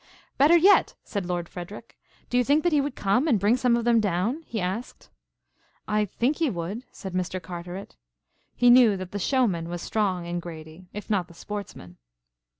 "Better yet!" said Lord Frederic. "Do you think that he would come and bring some of them down?" he asked. "I think he would," said Mr. Carteret. He knew that the showman was strong in Grady if not the sportsman.